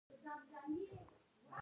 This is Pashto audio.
له ځان څخه باید ازموینه واخلو.